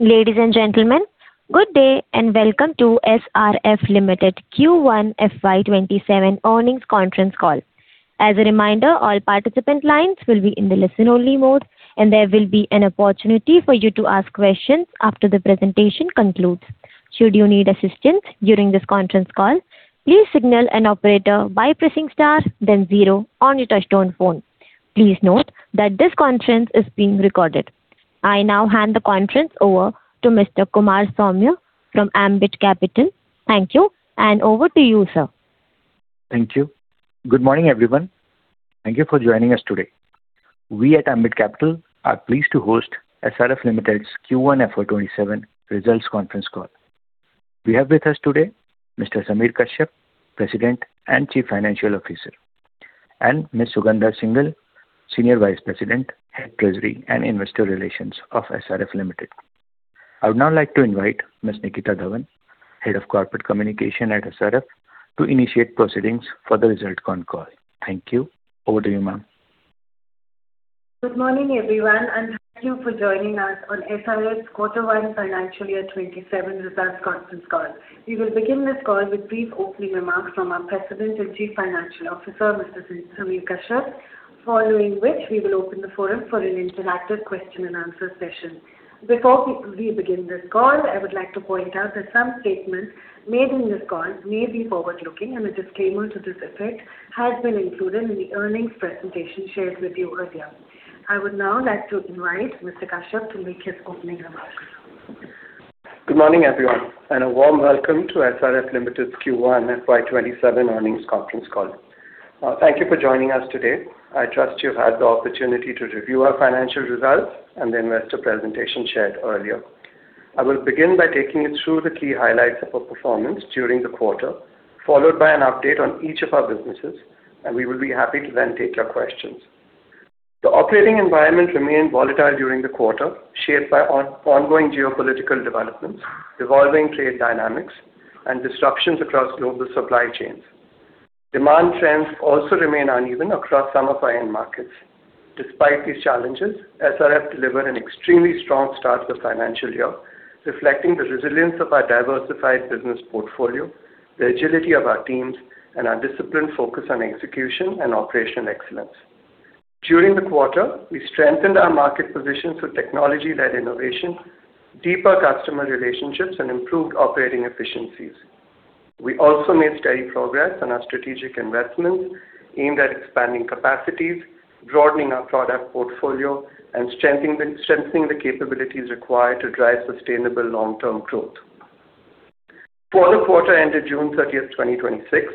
Ladies and gentlemen, good day and welcome to SRF Limited Q1 FY 2027 earnings conference call. As a reminder, all participant lines will be in the listen-only mode and there will be an opportunity for you to ask questions after the presentation concludes. Should you need assistance during this conference call, please signal an operator by pressing star then zero on your touchtone phone. Please note that this conference is being recorded. I now hand the conference over to Mr. Kumar Saumya from Ambit Capital. Thank you and over to you, sir. Thank you. Good morning everyone. Thank you for joining us today. We at Ambit Capital are pleased to host SRF Limited's Q1 FY 2027 results conference call. We have with us today Mr. Samir Kashyap, President and Chief Financial Officer, and Ms. Sugandha Singhal, Senior Vice President, Head Treasury and Investor Relations of SRF Limited. I would now like to invite Ms. Nitika Dhawan, Head of Corporate Communication at SRF, to initiate proceedings for the results con call. Thank you. Over to you, ma'am. Good morning everyone, thank you for joining us on SRF's quarter one financial year 2027 results conference call. We will begin this call with brief opening remarks from our President and Chief Financial Officer, Mr. Samir Kashyap, following which we will open the forum for an interactive question and answer session. Before we begin this call, I would like to point out that some statements made in this call may be forward-looking and a disclaimer to this effect has been included in the earnings presentation shared with you earlier. I would now like to invite Mr. Kashyap to make his opening remarks. Good morning everyone, a warm welcome to SRF Limited's Q1 FY 2027 earnings conference call. Thank you for joining us today. I trust you've had the opportunity to review our financial results and the investor presentation shared earlier. I will begin by taking you through the key highlights of our performance during the quarter, followed by an update on each of our businesses and we will be happy to then take your questions. The operating environment remained volatile during the quarter, shaped by ongoing geopolitical developments, evolving trade dynamics, and disruptions across global supply chains. Demand trends also remain uneven across some of our end markets. Despite these challenges, SRF delivered an extremely strong start to the financial year, reflecting the resilience of our diversified business portfolio, the agility of our teams, and our disciplined focus on execution and operational excellence. During the quarter, we strengthened our market positions with technology-led innovation, deeper customer relationships, and improved operating efficiencies. We also made steady progress on our strategic investments aimed at expanding capacities, broadening our product portfolio, and strengthening the capabilities required to drive sustainable long-term growth. For the quarter ended June 30th, 2026,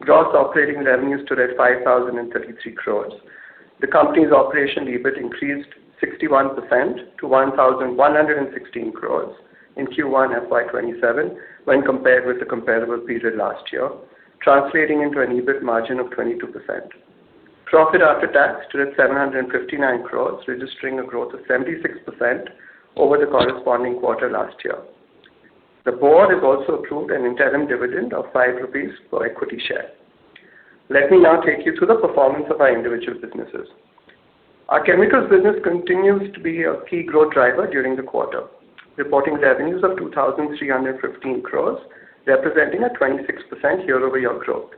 gross operating revenues stood at 5,033 crore. The company's operational EBIT increased 61% to 1,116 crore in Q1 FY 2027 when compared with the comparable period last year, translating into an EBIT margin of 22%. Profit after tax stood at 759 crore, registering a growth of 76% over the corresponding quarter last year. The Board has also approved an interim dividend of 5 rupees per equity share. Let me now take you through the performance of our individual businesses. Our chemicals business continues to be a key growth driver during the quarter, reporting revenues of 2,315 crore, representing a 26% year-over-year growth.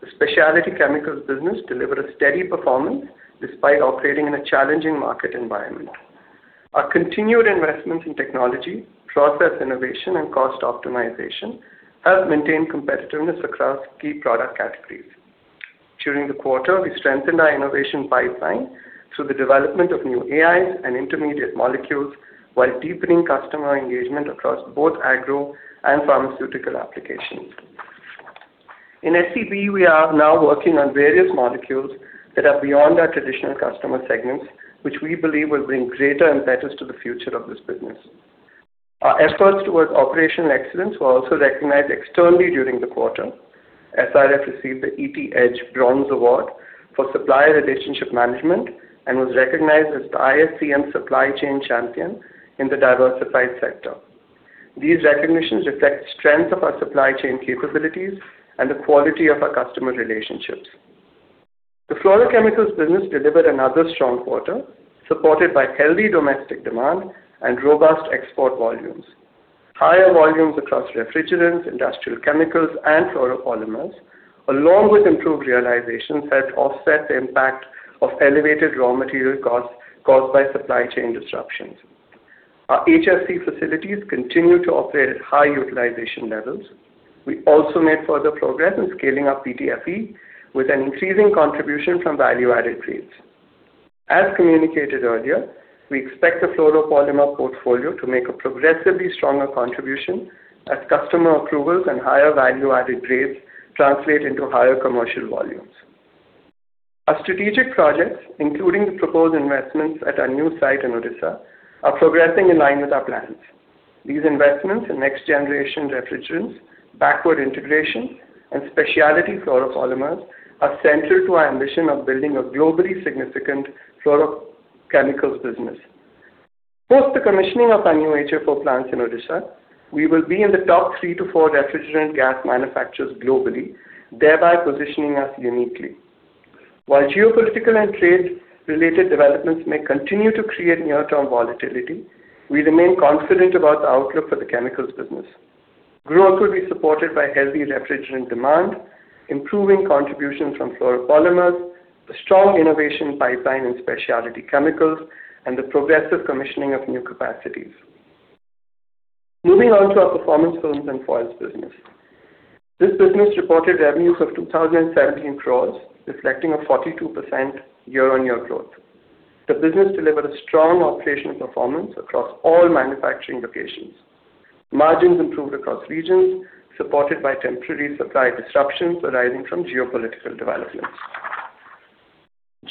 The specialty chemicals business delivered a steady performance despite operating in a challenging market environment. Our continued investments in technology, process innovation, and cost optimization have maintained competitiveness across key product categories. During the quarter, we strengthened our innovation pipeline through the development of new AIs and intermediate molecules while deepening customer engagement across both agro and pharmaceutical applications. In SCB, we are now working on various molecules that are beyond our traditional customer segments, which we believe will bring greater impetus to the future of this business. Our efforts towards operational excellence were also recognized externally during the quarter. SRF received the ET Edge Bronze Award for Supplier Relationship Management and was recognized as the ISCM Supply Chain Champion in the diversified sector. These recognitions reflect strength of our supply chain capabilities and the quality of our customer relationships. The Fluorochemicals business delivered another strong quarter, supported by healthy domestic demand and robust export volumes. Higher volumes across refrigerants, Industrial Chemicals, and Fluoropolymers, along with improved realizations that offset the impact of elevated raw material costs caused by supply chain disruptions. Our HFC facilities continue to operate at high utilization levels. We also made further progress in scaling up PTFE with an increasing contribution from value-added grades. As communicated earlier, we expect the Fluoropolymer portfolio to make a progressively stronger contribution as customer approvals and higher value-added grades translate into higher commercial volumes. Our strategic projects, including the proposed investments at our new site in Odisha, are progressing in line with our plans. These investments in next-generation refrigerants, backward integration, and specialty Fluoropolymers are central to our ambition of building a globally significant Fluorochemicals business. Post the commissioning of our new HFO plants in Odisha, we will be in the top three to four refrigerant gas manufacturers globally, thereby positioning us uniquely. While geopolitical and trade-related developments may continue to create near-term volatility, we remain confident about the outlook for the chemicals business. Growth will be supported by healthy refrigerant demand, improving contributions from Fluoropolymers, the strong innovation pipeline in specialty chemicals, and the progressive commissioning of new capacities. Moving on to our Performance Films and Foils business. This business reported revenues of 2,017 crore, reflecting a 42% year-on-year growth. The business delivered a strong operational performance across all manufacturing locations. Margins improved across regions, supported by temporary supply disruptions arising from geopolitical developments.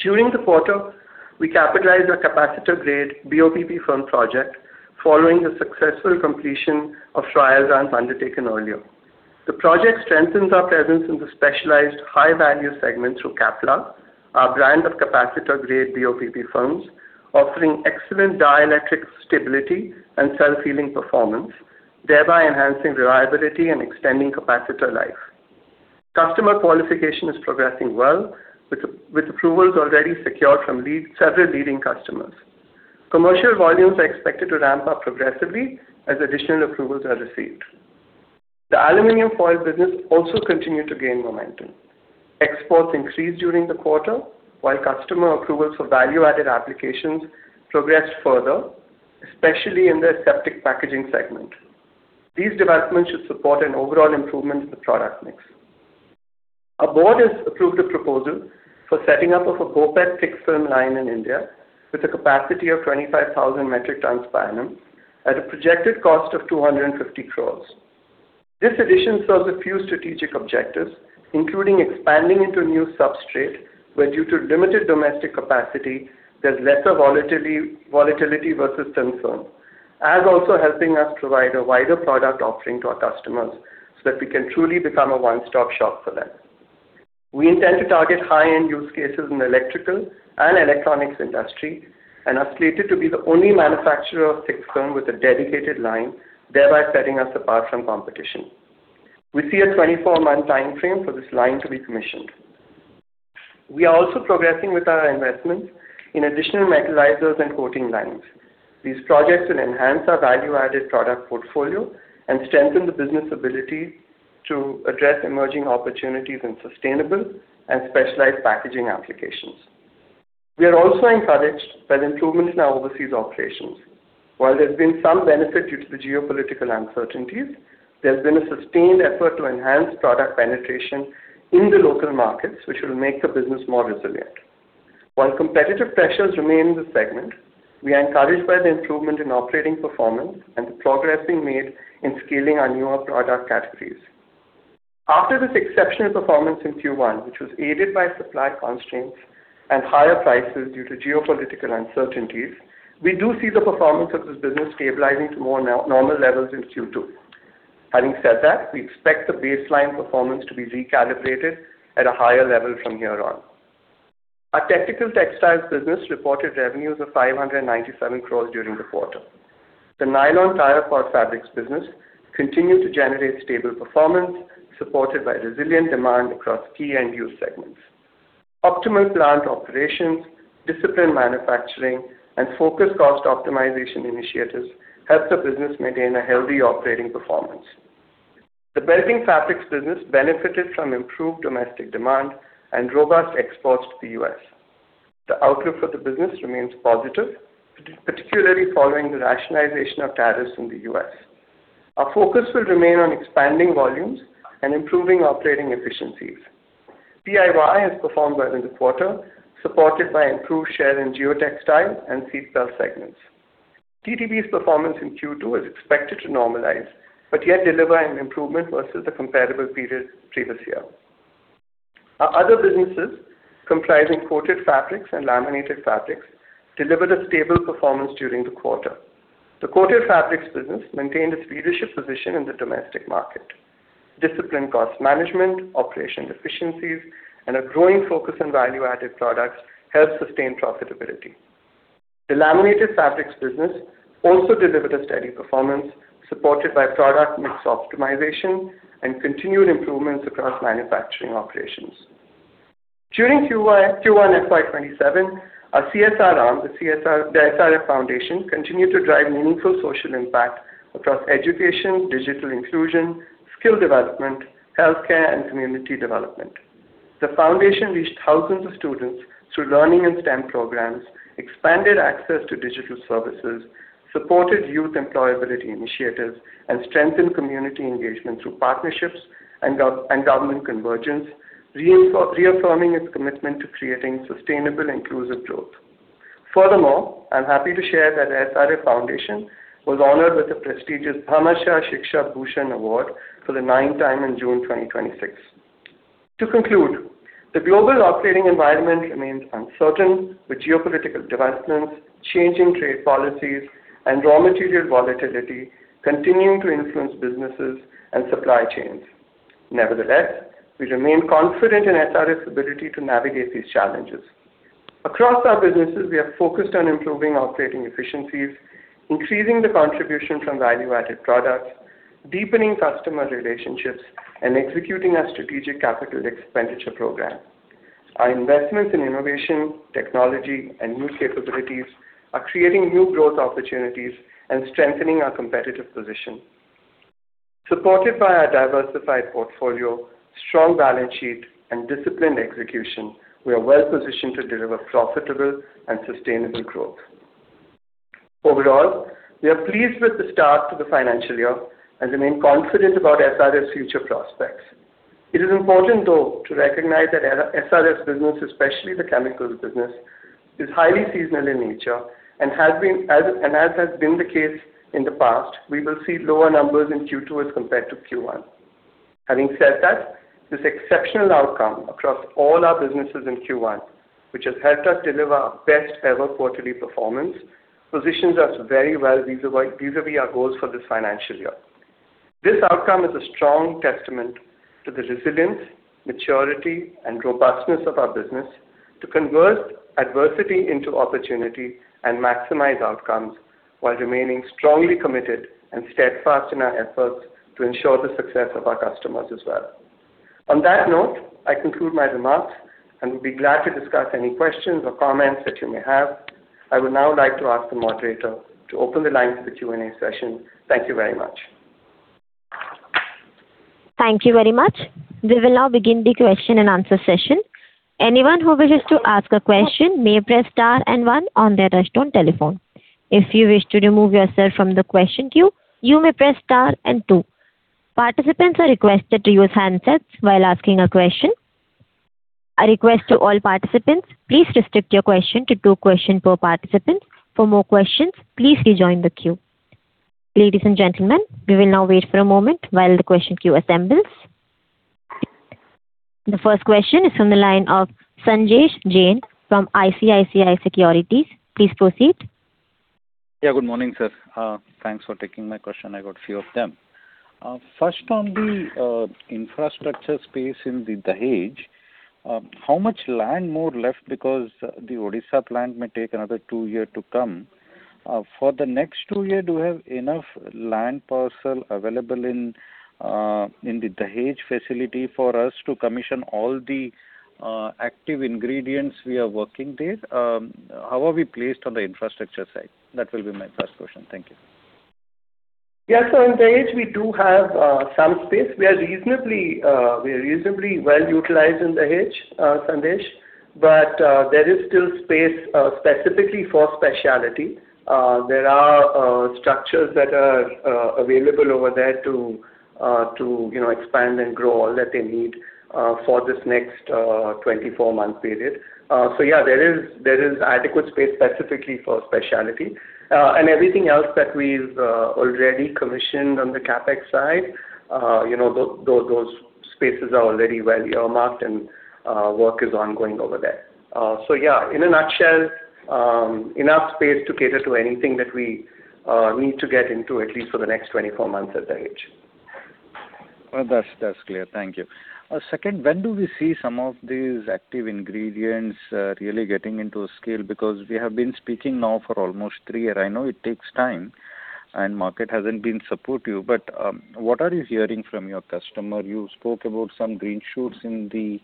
During the quarter, we capitalized our capacitor-grade BOPP film project following the successful completion of trial runs undertaken earlier. The project strengthens our presence in the specialized high-value segment through KAPLAR, our brand of capacitor-grade BOPP films, offering excellent dielectric stability and self-healing performance, thereby enhancing reliability and extending capacitor life. Customer qualification is progressing well, with approvals already secured from several leading customers. Commercial volumes are expected to ramp up progressively as additional approvals are received. The aluminum foil business also continued to gain momentum. Exports increased during the quarter while customer approvals for value-added applications progressed further, especially in the aseptic packaging segment. These developments should support an overall improvement in the product mix. Our Board has approved a proposal for setting up of a BOPET thick film line in India with a capacity of 25,000 metric tons per annum at a projected cost of 250 crore. This addition serves a few strategic objectives, including expanding into a new substrate where, due to limited domestic capacity, there's lesser volatility versus thin film, and also helping us provide a wider product offering to our customers so that we can truly become a one-stop shop for them. We intend to target high-end use cases in the electrical and electronics industry and are slated to be the only manufacturer of thick film with a dedicated line, thereby setting us apart from competition. We see a 24-month time frame for this line to be commissioned. We are also progressing with our investments in additional metallizers and coating lines. These projects will enhance our value-added product portfolio and strengthen the business ability to address emerging opportunities in sustainable and specialized packaging applications. We are also encouraged by the improvements in our overseas operations. While there's been some benefit due to the geopolitical uncertainties, there's been a sustained effort to enhance product penetration in the local markets, which will make the business more resilient. While competitive pressures remain in the segment, we are encouraged by the improvement in operating performance and the progress being made in scaling our newer product categories. After this exceptional performance in Q1, which was aided by supply constraints and higher prices due to geopolitical uncertainties, we do see the performance of this business stabilizing to more normal levels in Q2. Having said that, we expect the baseline performance to be recalibrated at a higher level from here on. Our Technical Textiles Business reported revenues of 597 crore during the quarter. The nylon tire cord fabrics business continued to generate stable performance, supported by resilient demand across key end-use segments. Optimal plant operations, disciplined manufacturing, and focused cost optimization initiatives helped the business maintain a healthy operating performance. The belting fabrics business benefited from improved domestic demand and robust exports to the U.S. The outlook for the business remains positive, particularly following the rationalization of tariffs in the U.S. Our focus will remain on expanding volumes and improving operating efficiencies. PIY has performed well in the quarter, supported by improved share in geotextile and seat belt segments. TTB's performance in Q2 is expected to normalize but yet deliver an improvement versus the comparable period previous year. Our other businesses, comprising coated fabrics and laminated fabrics, delivered a stable performance during the quarter. The coated fabrics business maintained its leadership position in the domestic market. Disciplined cost management, operational efficiencies, and a growing focus on value-added products helped sustain profitability. The laminated fabrics business also delivered a steady performance, supported by product mix optimization and continued improvements across manufacturing operations. During Q1 FY 2027, our CSR arm, the SRF Foundation, continued to drive meaningful social impact across education, digital inclusion, skill development, healthcare, and community development. The foundation reached thousands of students through learning and STEM programs, expanded access to digital services, supported youth employability initiatives, and strengthened community engagement through partnerships and government convergence, reaffirming its commitment to creating sustainable, inclusive growth. Furthermore, I am happy to share that the SRF Foundation was honored with the prestigious Bhamashah Shiksha Bhushan Award for the ninth time in June 2026. To conclude, the global operating environment remains uncertain, with geopolitical developments, changing trade policies, and raw material volatility continuing to influence businesses and supply chains. Nevertheless, we remain confident in SRF's ability to navigate these challenges. Across our businesses, we are focused on improving operating efficiencies, increasing the contribution from value-added products, deepening customer relationships, and executing our strategic capital expenditure program. Our investments in innovation, technology, and new capabilities are creating new growth opportunities and strengthening our competitive position. Supported by our diversified portfolio, strong balance sheet, and disciplined execution, we are well positioned to deliver profitable and sustainable growth. Overall, we are pleased with the start to the financial year and remain confident about SRF's future prospects. It is important, though, to recognize that SRF's business, especially the chemicals business, is highly seasonal in nature and as has been the case in the past, we will see lower numbers in Q2 as compared to Q1. Having said that, this exceptional outcome across all our businesses in Q1, which has helped us deliver our best-ever quarterly performance, positions us very well vis-a-vis our goals for this financial year. This outcome is a strong testament to the resilience, maturity, and robustness of our business to convert adversity into opportunity and maximize outcomes while remaining strongly committed and steadfast in our efforts to ensure the success of our customers as well. On that note, I conclude my remarks and will be glad to discuss any questions or comments that you may have. I would now like to ask the moderator to open the line to the Q&A session. Thank you very much. Thank you very much. We will now begin the question-and-answer session. Anyone who wishes to ask a question may press star and one on their touchtone telephone. If you wish to remove yourself from the question queue, you may press star and two. Participants are requested to use handsets while asking a question. A request to all participants, please restrict your question to two question per participant. For more questions, please rejoin the queue. Ladies and gentlemen, we will now wait for a moment while the question queue assembles. The first question is from the line of Sanjesh Jain from ICICI Securities. Please proceed. Yeah, good morning, sir. Thanks for taking my question. I got few of them. First, on the infrastructure space in Dahej, how much land more left because the Odisha plant may take another two year to come. For the next two year, do we have enough land parcel available in the Dahej facility for us to commission all the active ingredients we are working there? How are we placed on the infrastructure side? That will be my first question. Thank you. Yeah. In Dahej, we do have some space. We are reasonably well utilized in Dahej, Sanjesh, but there is still space specifically for specialty. There are structures that are available over there to expand and grow all that they need for this next 24-month period. Yeah, there is adequate space specifically for specialty. Everything else that we've already commissioned on the CapEx side, those spaces are already well earmarked and work is ongoing over there. Yeah, in a nutshell, enough space to cater to anything that we need to get into, at least for the next 24 months at Dahej. That's clear. Thank you. Second, when do we see some of these active ingredients really getting into a scale? We have been speaking now for almost three year. I know it takes time, and market hasn't been supportive, but what are you hearing from your customer? You spoke about some green shoots in the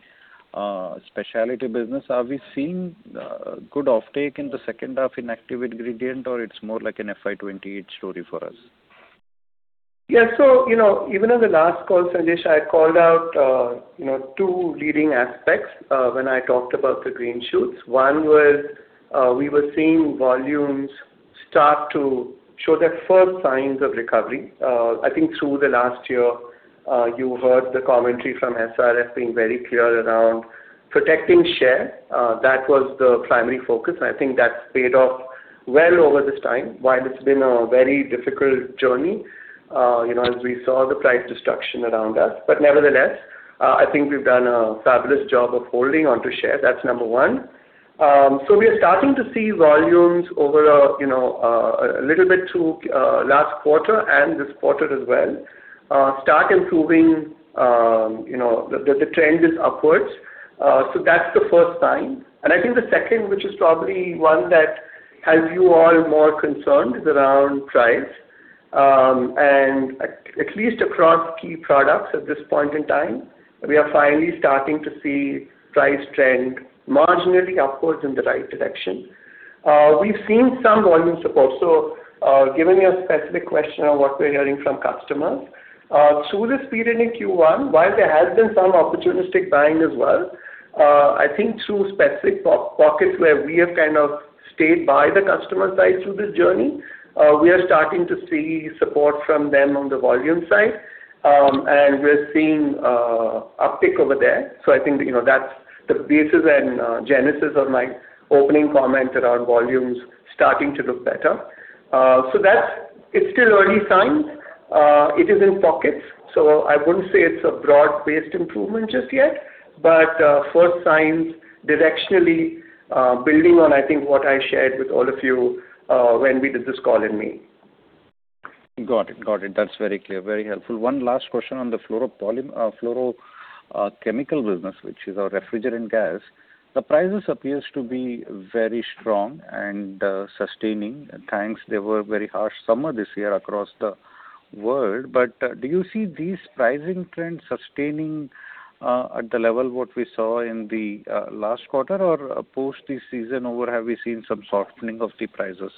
specialty business. Are we seeing good offtake in the second half in active ingredient, or it's more like an FY 2028 story for us? Even on the last call, Sanjesh, I called out two leading aspects when I talked about the green shoots. One was, we were seeing volumes start to show their first signs of recovery. I think through the last year, you heard the commentary from SRF being very clear around protecting share. That was the primary focus, and I think that's paid off well over this time, while it's been a very difficult journey, as we saw the price destruction around us. Nevertheless, I think we've done a fabulous job of holding onto share. That's number one. We are starting to see volumes over a little bit through last quarter and this quarter as well, start improving, the trend is upwards. That's the first sign. I think the second, which is probably one that has you all more concerned, is around price. At least across key products at this point in time, we are finally starting to see price trend marginally upwards in the right direction. We've seen some volume support. Giving you a specific question on what we're hearing from customers. Through this period in Q1, while there has been some opportunistic buying as well, I think through specific pockets where we have kind of stayed by the customer side through this journey, we are starting to see support from them on the volume side, and we're seeing uptick over there. I think that's the basis and genesis of my opening comment around volumes starting to look better. It's still early signs. It is in pockets, so I wouldn't say it's a broad-based improvement just yet. First signs directionally building on, I think, what I shared with all of you when we did this call in May. Got it. Got it. That's very clear. Very helpful. One last question on the Fluorochemical business, which is our refrigerant gas. The prices appears to be very strong and sustaining. Thanks. Do you see these pricing trends sustaining at the level, what we saw in the last quarter or post this season over, have we seen some softening of the prices?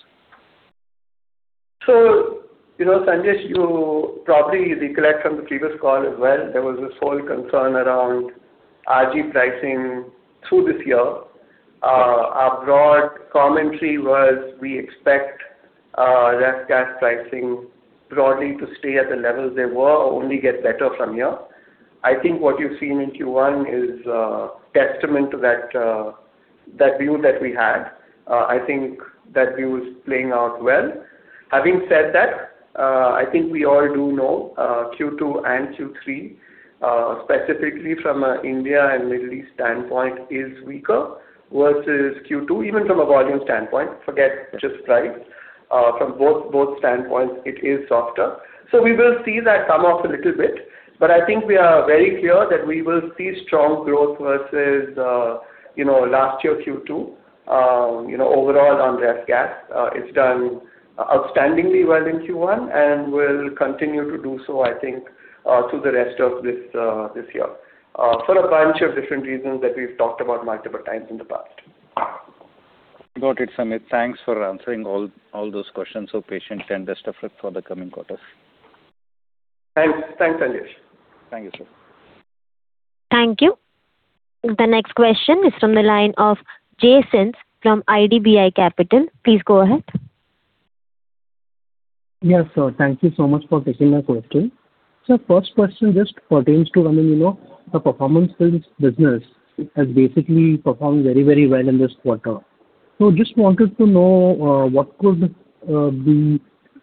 You know, Sanjesh, you probably recollect from the previous call as well, there was this whole concern around RG pricing through this year. Our broad commentary was we expect ref gas pricing broadly to stay at the levels they were or only get better from here. I think what you've seen in Q1 is a testament to that view that we had. I think that view is playing out well. Having said that, I think we all do know, Q2 and Q3, specifically from India and Middle East standpoint is weaker versus Q2, even from a volume standpoint, forget just price. From both standpoints it is softer. We will see that come off a little bit. I think we are very clear that we will see strong growth versus last year Q2, overall on ref gas. It's done outstandingly well in Q1 and will continue to do so, I think, through the rest of this year. For a bunch of different reasons that we've talked about multiple times in the past. Got it, Samir. Thanks for answering all those questions so patiently and best of luck for the coming quarters. Thanks, Sanjesh. Thank you, sir. Thank you. The next question is from the line of Jason from IDBI Capital. Please go ahead. Yes, sir. Thank you so much for taking my question. Sir, first question just pertains to the Performance Films business has basically performed very well in this quarter. Just wanted to know, what could be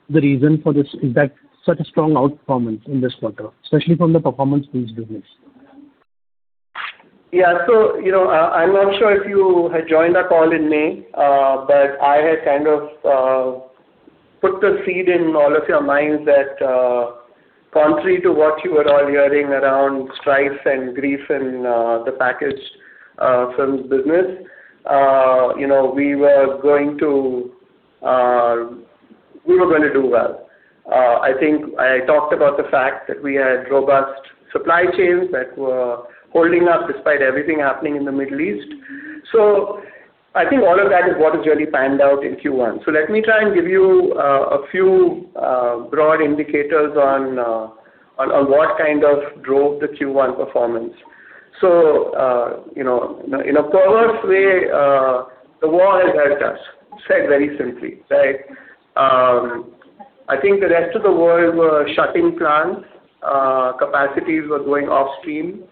the reason for such a strong outperformance in this quarter, especially from the Performance Films business? Yeah. I'm not sure if you had joined our call in May, but I had kind of put the seed in all of your minds that contrary to what you were all hearing around strife and grief in the packaged films business, we were going to do well. I think I talked about the fact that we had robust supply chains that were holding up despite everything happening in the Middle East. I think all of that is what has really panned out in Q1. Let me try and give you a few broad indicators on what kind of drove the Q1 performance. In a perverse way, the war has helped us, said very simply, right? I think the rest of the world were shutting plants, capacities were going offstream,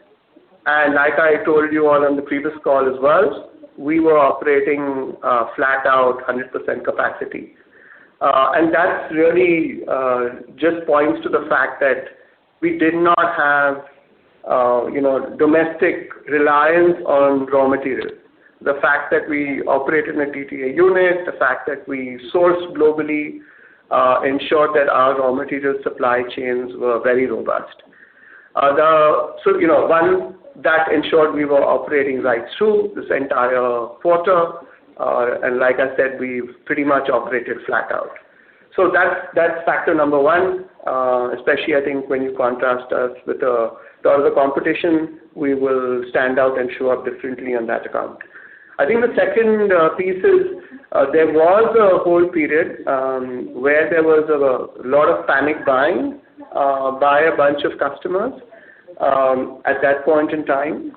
and like I told you all on the previous call as well, we were operating flat out 100% capacity. That really just points to the fact that we did not have domestic reliance on raw materials. The fact that we operated in a DTA unit, the fact that we source globally ensured that our raw material supply chains were very robust. One, that ensured we were operating right through this entire quarter, and like I said, we've pretty much operated flat out. That's factor number one, especially I think when you contrast us with the other competition, we will stand out and show up differently on that account. I think the second piece is there was a whole period, where there was a lot of panic buying by a bunch of customers at that point in time.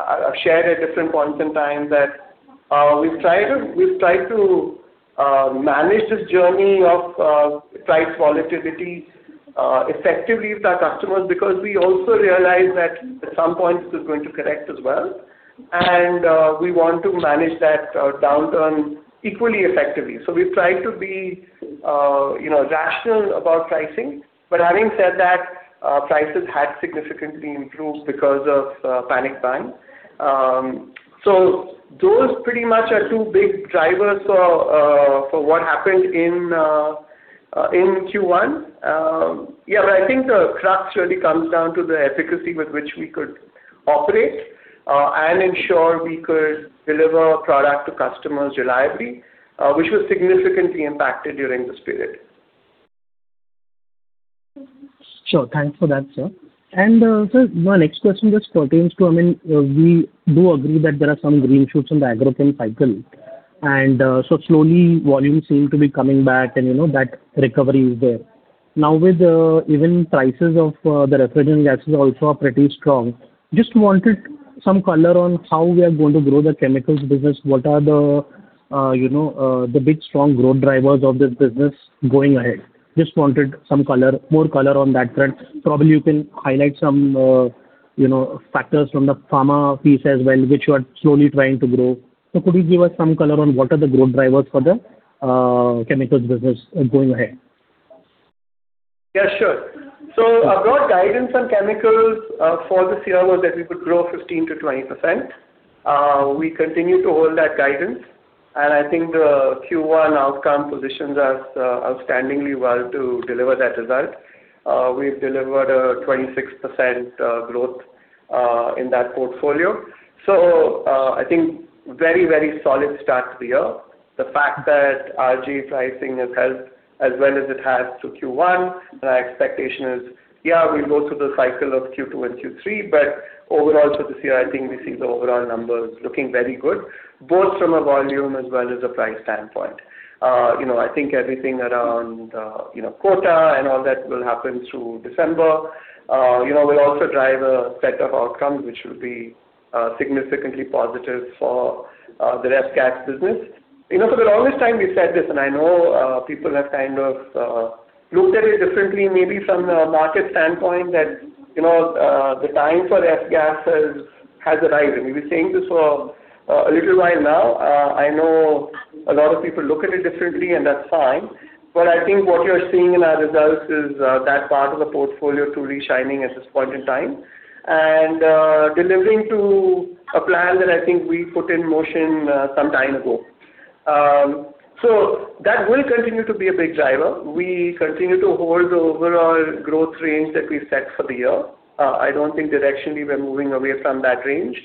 I've shared at different points in time that we've tried to manage this journey of price volatility effectively with our customers because we also realized that at some point this is going to correct as well and we want to manage that downturn equally effectively. We've tried to be rational about pricing, but having said that, prices had significantly improved because of panic buying. Those pretty much are two big drivers for what happened in Q1. Yeah, but I think the crux really comes down to the efficacy with which we could operate and ensure we could deliver product to customers reliably, which was significantly impacted during this period. Sure. Thanks for that, sir. Sir, my next question just pertains to, we do agree that there are some green shoots in the agrochem cycle, slowly volumes seem to be coming back and that recovery is there. Now with even prices of the refrigerant gases also are pretty strong. Just wanted some color on how we are going to grow the chemicals business. What are the big, strong growth drivers of this business going ahead? Just wanted more color on that front. Probably you can highlight some factors from the pharma piece as well, which you are slowly trying to grow. Could you give us some color on what are the growth drivers for the chemicals business going ahead? Yeah, sure. Our broad guidance on chemicals for this year was that we would grow 15%-20%. We continue to hold that guidance, I think the Q1 outcome positions us outstandingly well to deliver that result. We've delivered a 26% growth in that portfolio. I think very solid start to the year. The fact that RG pricing has helped as well as it has to Q1, our expectation is, we'll go through the cycle of Q2 and Q3, but overall for this year, I think we see the overall numbers looking very good, both from a volume as well as a price standpoint. I think everything around quota and all that will happen through December will also drive a set of outcomes which will be significantly positive for the ref gas business. For the longest time, we've said this, I know people have kind of looked at it differently, maybe from a market standpoint that, the time for ref gas has arrived, we've been saying this for a little while now. I know a lot of people look at it differently, that's fine. I think what you're seeing in our results is that part of the portfolio truly shining at this point in time and delivering to a plan that I think we put in motion some time ago. That will continue to be a big driver. We continue to hold the overall growth range that we've set for the year. I don't think directionally we're moving away from that range.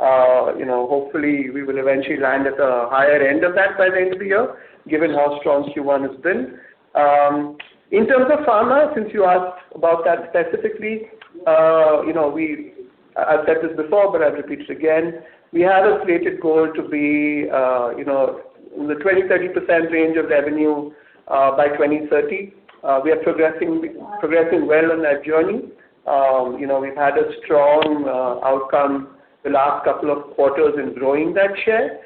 Hopefully, we will eventually land at the higher end of that by the end of the year, given how strong Q1 has been. In terms of pharma, since you asked about that specifically, I've said this before, I'll repeat it again, we had a stated goal to be in the 20%-30% range of revenue by 2030. We are progressing well on that journey. We've had a strong outcome the last couple of quarters in growing that share.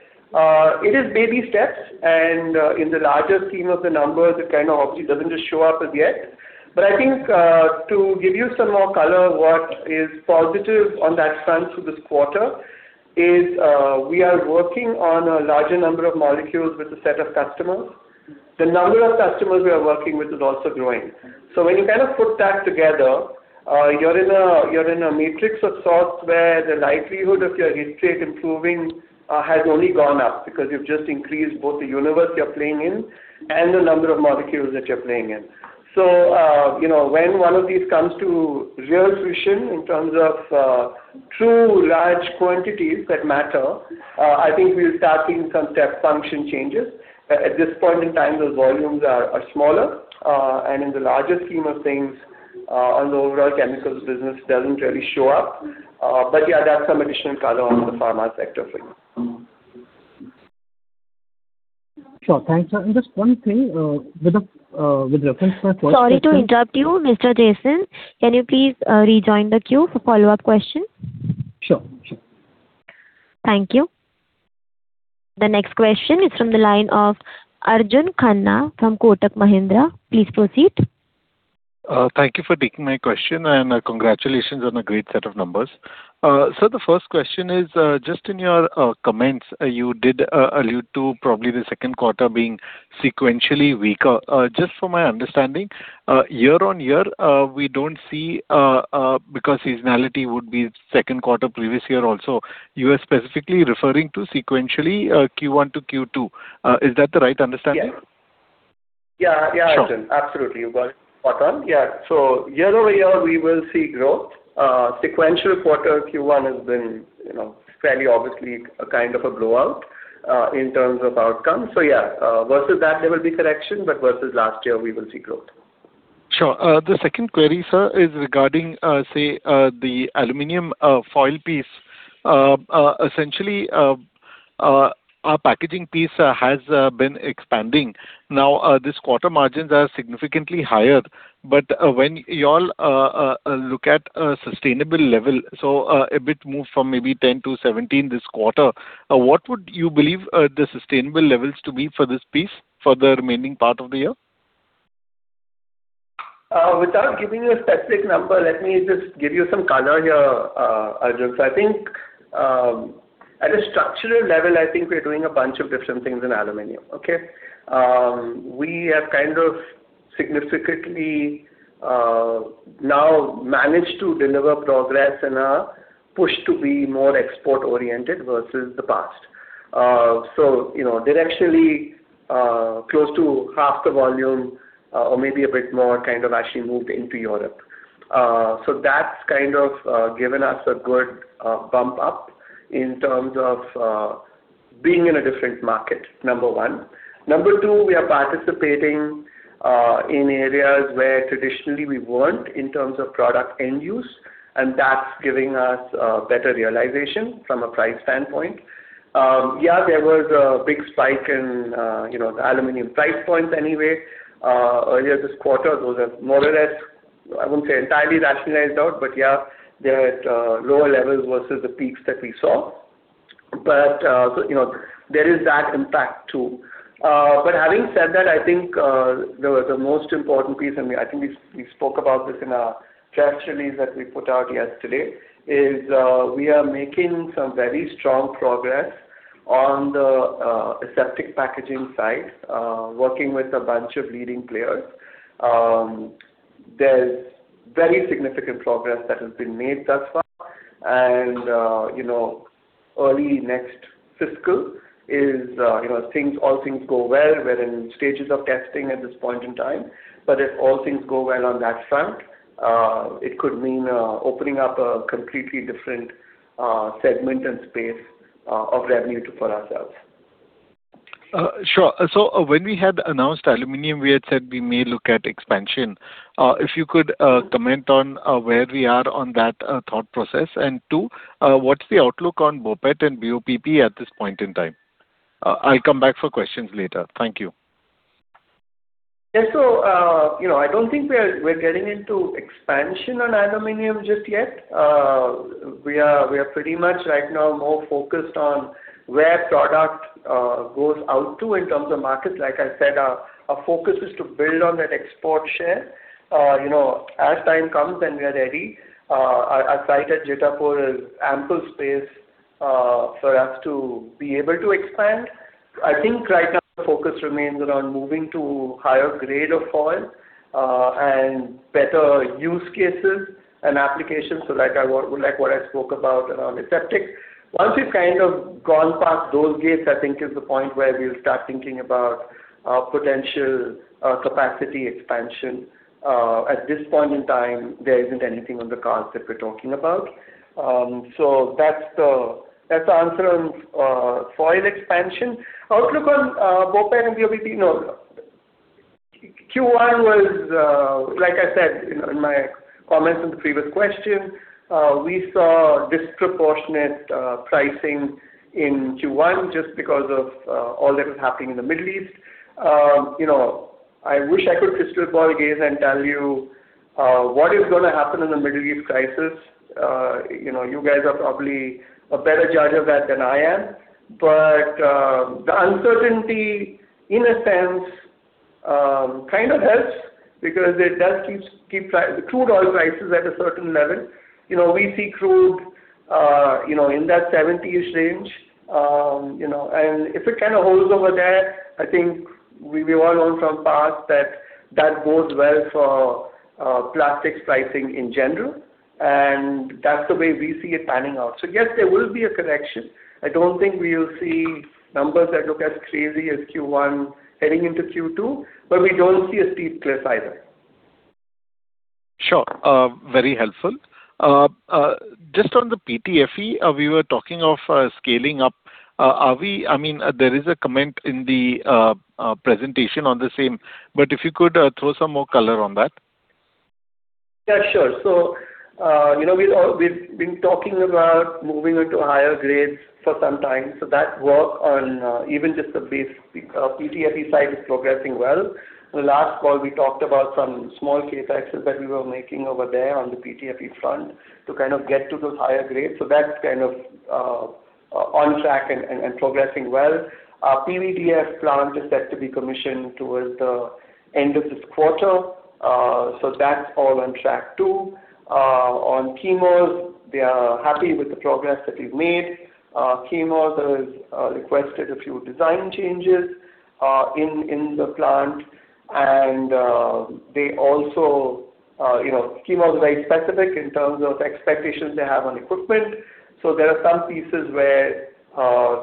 It is baby steps, in the larger scheme of the numbers, it kind of obviously doesn't just show up as yet. I think to give you some more color, what is positive on that front through this quarter is we are working on a larger number of molecules with a set of customers. The number of customers we are working with is also growing. When you put that together, you're in a matrix of sorts where the likelihood of your hit rate improving has only gone up, because you've just increased both the universe you're playing in and the number of molecules that you're playing in. When one of these comes to real fruition in terms of true large quantities that matter, I think we'll start seeing some step function changes. At this point in time, those volumes are smaller. In the larger scheme of things, on the overall chemicals business doesn't really show up. Yeah, that's some additional color on the pharma sector for you. Sure. Thanks, sir. Just one thing, with reference to my first question- Sorry to interrupt you, Mr. Jason. Can you please rejoin the queue for follow-up question? Sure. Thank you. The next question is from the line of Arjun Khanna from Kotak Mahindra. Please proceed. Thank you for taking my question, and congratulations on a great set of numbers. Sir, the first question is, just in your comments, you did allude to probably the second quarter being sequentially weaker. Just for my understanding, year-on-year, we don't see, because seasonality would be second quarter previous year also. You are specifically referring to sequentially Q1-Q2. Is that the right understanding? Yeah. Sure. Arjun. Absolutely. You got it. Spot on. Year-over-year, we will see growth. Sequential quarter Q1 has been fairly obviously a kind of a blowout in terms of outcomes. Versus that there will be correction, versus last year, we will see growth. Sure. The second query, Sir, is regarding the aluminum foil piece. Essentially, our packaging piece has been expanding. Now, this quarter margins are significantly higher. When you all look at a sustainable level, a bit move from maybe 10-17 this quarter, what would you believe the sustainable levels to be for this piece for the remaining part of the year? Without giving you a specific number, let me give you some color here, Arjun. At a structural level, we're doing a bunch of different things in aluminum. We have significantly now managed to deliver progress in our push to be more export-oriented versus the past. Directionally, close to half the volume or maybe a bit more actually moved into Europe. That's given us a good bump up in terms of being in a different market, number one. Number two, we are participating in areas where traditionally we weren't in terms of product end use, that's giving us a better realization from a price standpoint. There was a big spike in the aluminum price points anyway. Earlier this quarter, those have more or less, I wouldn't say entirely rationalized out, but yeah, they're at lower levels versus the peaks that we saw. There is that impact, too. Having said that, I think the most important piece, and I think we spoke about this in our press release that we put out yesterday, is we are making some very strong progress on the aseptic packaging side, working with a bunch of leading players, there's very significant progress that has been made thus far. Early next fiscal, if all things go well, we're in stages of testing at this point in time. If all things go well on that front, it could mean opening up a completely different segment and space of revenue for ourselves. Sure. When we had announced aluminum, we had said we may look at expansion. If you could comment on where we are on that thought process, and two, what's the outlook on BOPET and BOPP at this point in time? I'll come back for questions later. Thank you. Yeah. I don't think we're getting into expansion on aluminum just yet. We are pretty much right now more focused on where product goes out to in terms of markets. Like I said, our focus is to build on that export share. As time comes and we are ready, our site at Jetapur has ample space for us to be able to expand. I think right now the focus remains around moving to higher grade of foil and better use cases and applications. Like what I spoke about around aseptic. Once we've gone past those gates, I think is the point where we'll start thinking about potential capacity expansion. At this point in time, there isn't anything on the cards that we're talking about. That's the answer on foil expansion. Outlook on BOPET and BOPP, Q1 was, like I said in my comments on the previous question, we saw disproportionate pricing in Q1 just because of all that was happening in the Middle East. I wish I could crystal ball gaze and tell you what is going to happen in the Middle East crisis. You guys are probably a better judge of that than I am. The uncertainty in a sense, kind of helps because it does keep crude oil prices at a certain level. We see crude in that 70-ish range. If it kind of holds over there, I think we all know from past that goes well for plastics pricing in general, and that's the way we see it panning out. Yes, there will be a correction. I don't think we will see numbers that look as crazy as Q1 heading into Q2, but we don't see a steep cliff either. Sure. Very helpful. On the PTFE, we were talking of scaling up. There is a comment in the presentation on the same, if you could throw some more color on that. Sure. We've been talking about moving into higher grades for some time. That work on even just the base PTFE side is progressing well. In the last call, we talked about some small CapEx that we were making over there on the PTFE front to get to those higher grades. That's on track and progressing well. Our PVDF plant is set to be commissioned towards the end of this quarter. That's all on track, too. On Chemours, they are happy with the progress that we've made. Chemours has requested a few design changes in the plant. Chemours is very specific in terms of expectations they have on equipment. There are some pieces where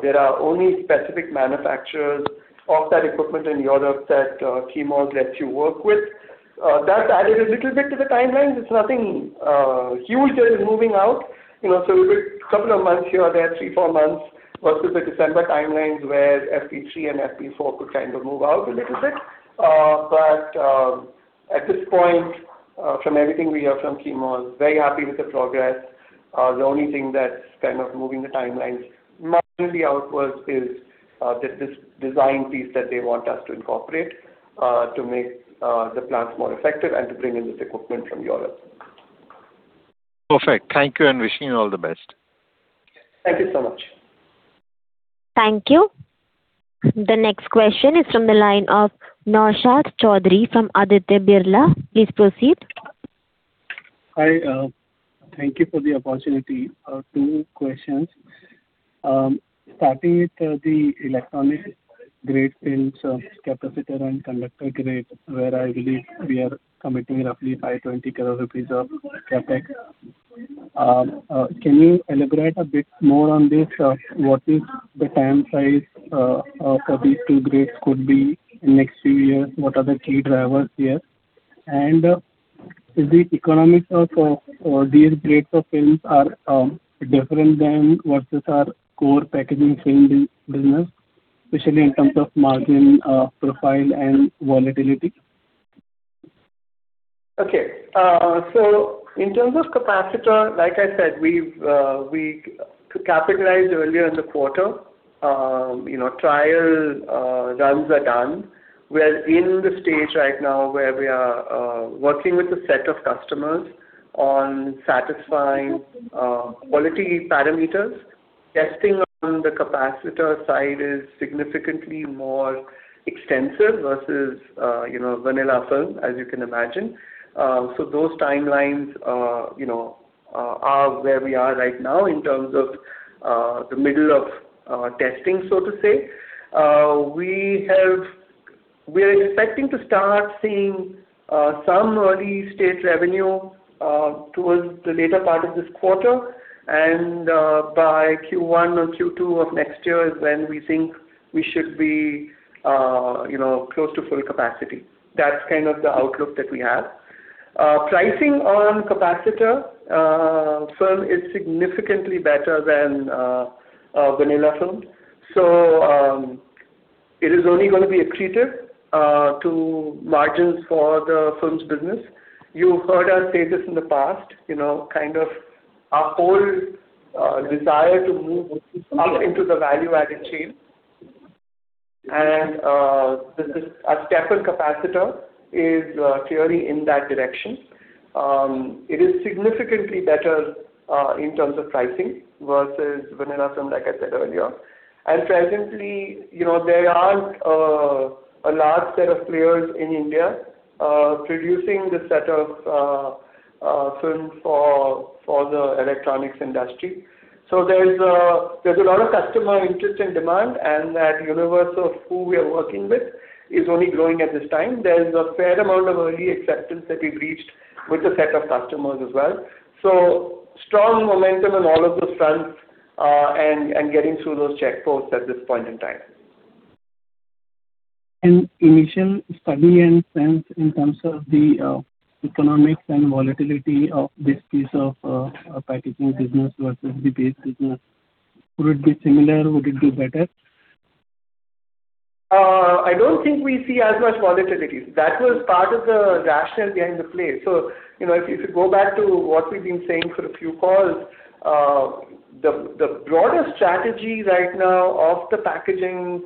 there are only specific manufacturers of that equipment in Europe that Chemours lets you work with. That added a little bit to the timelines. It's nothing huge that is moving out. A couple of months here or there, three, four months versus the December timelines where FP3 and FP4 could move out a little bit. At this point, from everything we hear from Chemours, very happy with the progress. The only thing that's moving the timelines minimally outwards is this design piece that they want us to incorporate to make the plants more effective and to bring in this equipment from Europe. Perfect. Thank you and wishing you all the best. Thank you so much. Thank you. The next question is from the line of Naushad Chaudhary from Aditya Birla. Please proceed. Hi. Thank you for the opportunity. Two questions. Starting with the electronic grade films, capacitor and conductor grade, where I believe we are committing roughly 520 crore rupees of CapEx. Can you elaborate a bit more on this? What is the time size for these two grades could be in next few years? What are the key drivers here? Is the economics of these grades of films are different than versus our core packaging film business, especially in terms of margin profile and volatility? Okay. In terms of capacitor, like I said, we've capitalized earlier in the quarter. Trial runs are done. We are in the stage right now where we are working with a set of customers on satisfying quality parameters. Testing on the capacitor side is significantly more extensive versus vanilla film, as you can imagine. Those timelines are where we are right now in terms of the middle of testing, so to say. We are expecting to start seeing some early stage revenue towards the later part of this quarter. By Q1 or Q2 of next year is when we think we should be close to full capacity. That's the outlook that we have. Pricing on capacitor film is significantly better than vanilla film. It is only going to be accretive to margins for the films business. You've heard us say this in the past, our whole desire to move up into the value-added chain, and our stepper capacitor is clearly in that direction. It is significantly better in terms of pricing versus vanilla film, like I said earlier. Presently, there aren't a large set of players in India producing this set of film for the electronics industry. There's a lot of customer interest and demand, and that universe of who we are working with is only growing at this time. There's a fair amount of early acceptance that we've reached with a set of customers as well. Strong momentum on all of those fronts, and getting through those checkposts at this point in time. Initial study and sense in terms of the economics and volatility of this piece of packaging business versus the base business, would it be similar? Would it be better? I don't think we see as much volatility. That was part of the rationale behind the play. If you go back to what we've been saying for a few calls, the broader strategy right now of the packaging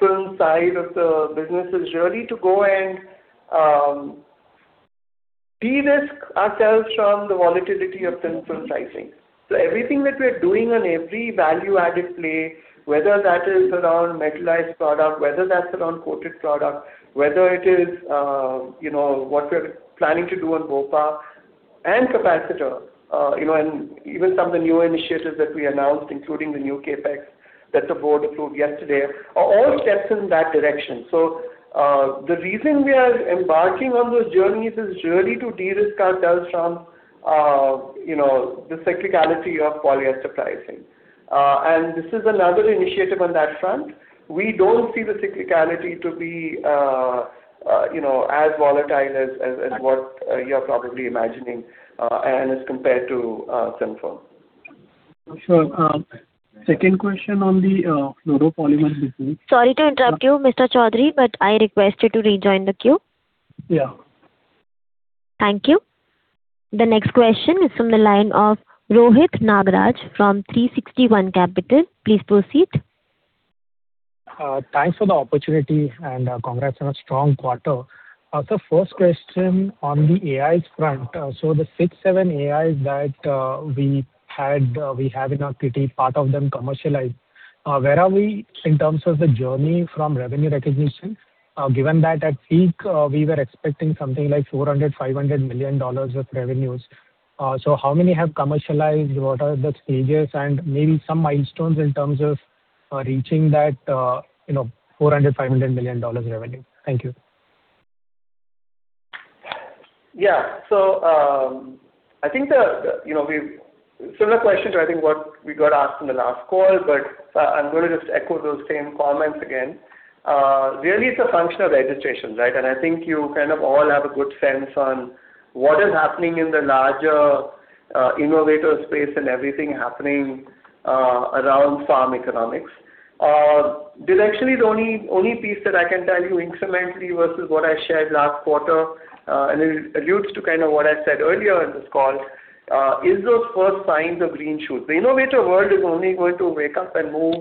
film side of the business is really to go and de-risk ourselves from the volatility of thin film pricing. Everything that we're doing on every value-added play, whether that is around metallized product, whether that's around coated product, whether it is what we're planning to do on BOPP and capacitor. Even some of the new initiatives that we announced, including the new CapEx that the board approved yesterday, are all steps in that direction. The reason we are embarking on those journeys is really to de-risk ourselves from the cyclicality of polyester pricing. This is another initiative on that front. We don't see the cyclicality to be as volatile as what you're probably imagining, and as compared to thin film. Sure. Second question on the Fluoropolymer business. Sorry to interrupt you, Mr. Chaudhary. I request you to rejoin the queue. Yeah. Thank you. The next question is from the line of Rohit Nagraj from 360 ONE Capital. Please proceed. Thanks for the opportunity, and congrats on a strong quarter. The first question on the AIs front. The six, seven AIs that we have in our kitty, part of them commercialized. Where are we in terms of the journey from revenue recognition, given that at peak, we were expecting something like $400 million-$500 million of revenues. How many have commercialized? What are the stages? Maybe some milestones in terms of reaching that $400 million-$500 million revenue. Thank you. Yeah. I think similar question to I think what we got asked in the last call, but I'm going to just echo those same comments again. Really, it's a function of registration, right? I think you all have a good sense on what is happening in the larger innovator space and everything happening around pharma economics. Directionally, the only piece that I can tell you incrementally versus what I shared last quarter, and it alludes to what I said earlier in this call, is those first signs of green shoots. The innovator world is only going to wake up and move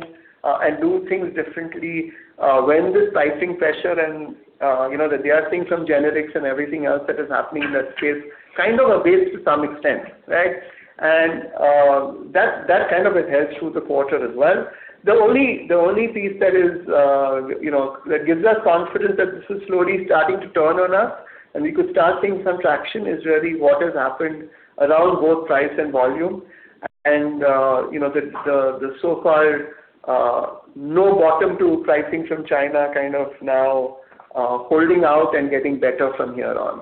and do things differently when this pricing pressure and the de-risking from generics and everything else that is happening in that space kind of abates to some extent, right? That kind of it helps through the quarter as well. The only piece that gives us confidence that this is slowly starting to turn on us and we could start seeing some traction is really what has happened around both price and volume. The so-called no bottom to pricing from China kind of now holding out and getting better from here on.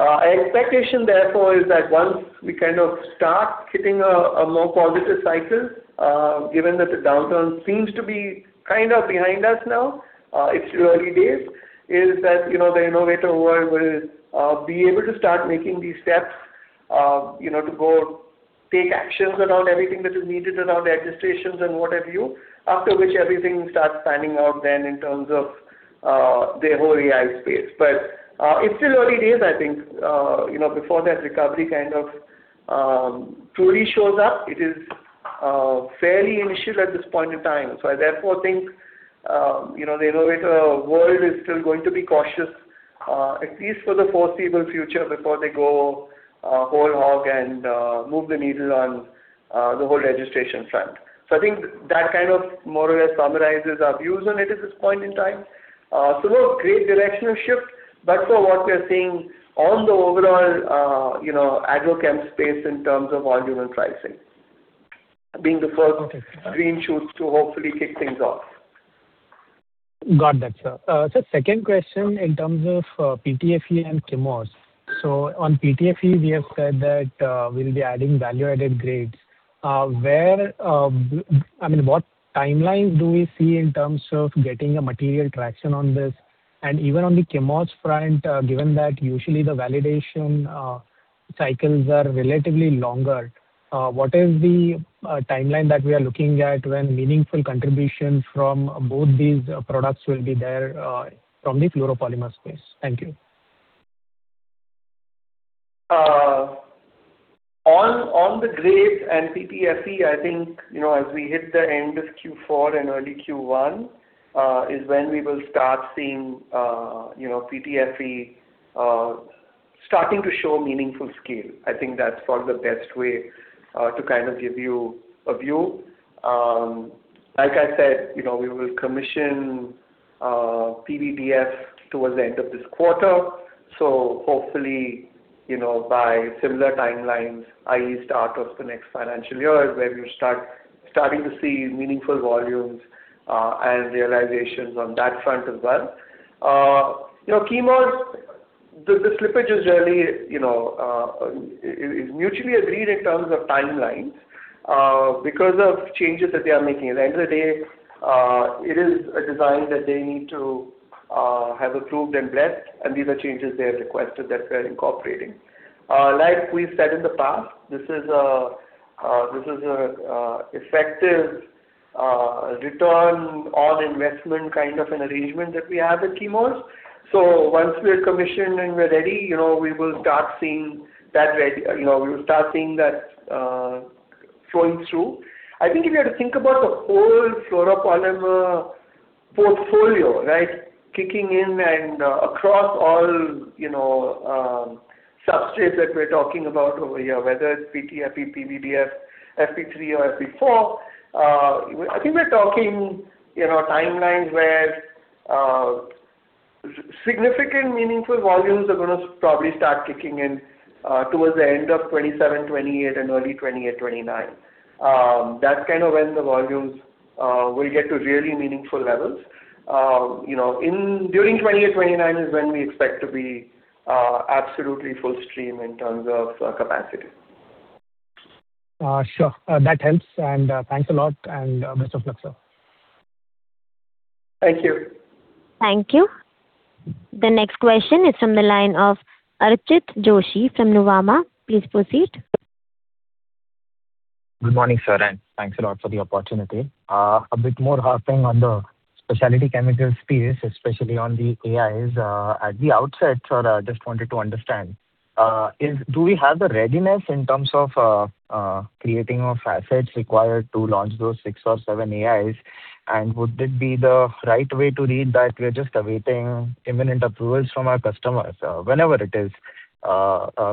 Our expectation therefore is that once we start hitting a more positive cycle, given that the downturn seems to be behind us now, it's early days, is that the innovator world will be able to start making these steps to go take actions around everything that is needed around registrations and what have you, after which everything starts panning out then in terms of the whole AI space. It's still early days, I think before that recovery kind of truly shows up. It is fairly initial at this point in time. I therefore think the innovator world is still going to be cautious, at least for the foreseeable future before they go whole hog and move the needle on the whole registration front. I think that more or less summarizes our views on it at this point in time. No great directional shift, but for what we are seeing on the overall agro chem space in terms of volume and pricing, being the first green shoots to hopefully kick things off. Got that, sir. Sir, second question in terms of PTFE and Chemours. On PTFE, we have said that we'll be adding value-added grades. What timeline do we see in terms of getting a material traction on this? Even on the Chemours front, given that usually the validation cycles are relatively longer, what is the timeline that we are looking at when meaningful contribution from both these products will be there from the Fluoropolymer space? Thank you. On the grades and PTFE, I think, as we hit the end of Q4 and early Q1, is when we will start seeing PTFE starting to show meaningful scale. I think that's probably the best way to give you a view. Like I said, we will commission PVDF towards the end of this quarter. Hopefully, by similar timelines, i.e., start of the next financial year is where you're starting to see meaningful volumes and realizations on that front as well. Chemours, the slippage is mutually agreed in terms of timelines because of changes that they are making. At the end of the day, it is a design that they need to have approved and blessed, and these are changes they have requested that we're incorporating. Like we've said in the past, this is an effective return on investment kind of an arrangement that we have with Chemours. Once we're commissioned and we're ready, we will start seeing that flowing through. I think if you had to think about the whole Fluoropolymer portfolio, kicking in and across all substrates that we're talking about over here, whether it's PTFE, PVDF, FP3 or FP4, I think we're talking timelines where significant meaningful volumes are going to probably start kicking in towards the end of FY 2027-2028 and early FY 2028-2029. That's kind of when the volumes will get to really meaningful levels. During FY 2028-2029 is when we expect to be absolutely full stream in terms of capacity. Sure. That helps. Thanks a lot, and best of luck, sir. Thank you. Thank you. The next question is from the line of Archit Joshi from Nuvama. Please proceed. Good morning, sir, thanks a lot for the opportunity. A bit more harping on the specialty chemicals piece, especially on the AIs. At the outset, sir, just wanted to understand, do we have the readiness in terms of creating of assets required to launch those six or seven AIs? Would it be the right way to read that we're just awaiting imminent approvals from our customers, whenever it is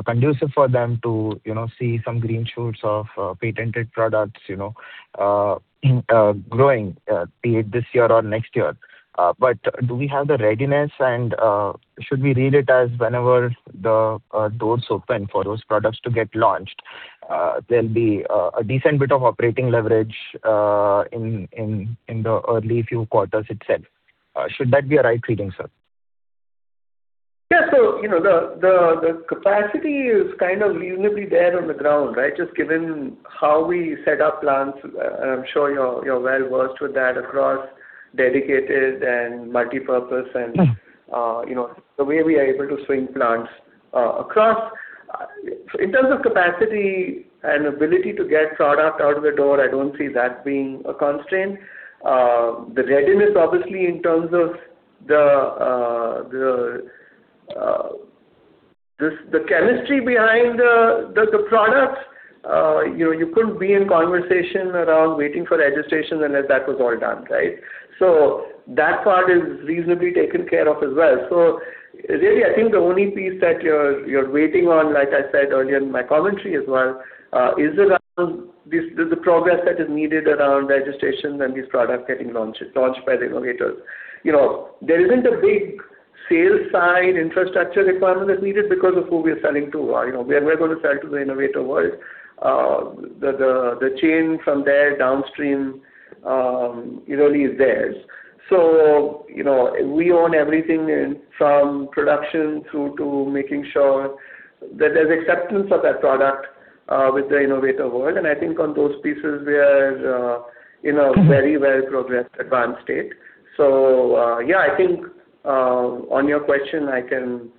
conducive for them to see some green shoots of patented products growing, be it this year or next year? Do we have the readiness and should we read it as whenever the doors open for those products to get launched, there'll be a decent bit of operating leverage in the early few quarters itself? Should that be a right reading, sir? Yeah. The capacity is kind of reasonably there on the ground. Just given how we set up plants, and I'm sure you're well versed with that across dedicated and multipurpose and the way we are able to swing plants across. In terms of capacity and ability to get product out of the door, I don't see that being a constraint. The readiness, obviously, in terms of the chemistry behind the products, you couldn't be in conversation around waiting for registration unless that was all done. That part is reasonably taken care of as well. Really, I think the only piece that you're waiting on, like I said earlier in my commentary as well, is around the progress that is needed around registration and these products getting launched by the innovators. There isn't a big sales side infrastructure requirement that's needed because of who we are selling to. We're going to sell to the innovator world. The chain from there downstream really is theirs. We own everything from production through to making sure that there's acceptance of that product with the innovator world, and I think on those pieces we are in a very well progressed advanced state. Yeah, I think, on your question, I can